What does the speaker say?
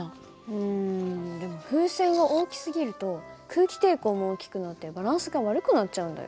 うんでも風船が大きすぎると空気抵抗も大きくなってバランスが悪くなっちゃうんだよ。